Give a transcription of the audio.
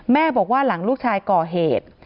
แม่บอกว่าหลังลูกชายก่อเหตุ